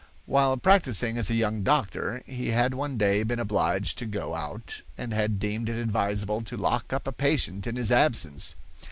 "While practising as a young doctor, he had one day been obliged to go out and had deemed it advisable to lock up a patient in his absence.